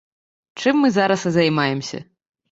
Чым мы зараз і займаемся.